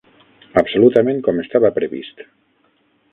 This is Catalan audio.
Absolutament com estava previst.